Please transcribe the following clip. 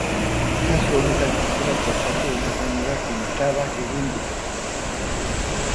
Kasu honetan kristalak kolpatu eta gainera pintadak egin dituzte.